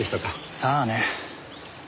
さあね。